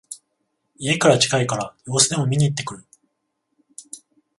家から近いから様子でも見にいってくる